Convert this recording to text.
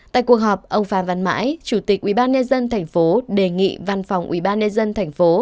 tại cuộc họp ông phan văn mãi chủ tịch ubnd tp đề nghị văn phòng ubnd tp